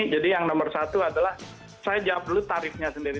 jadi yang nomor satu adalah saya jawab dulu tarifnya sendiri